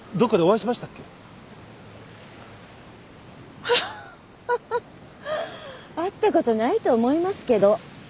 会ったことないと思いますけど。